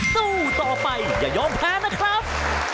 สู้ต่อไปอย่ายอมแพ้นะครับ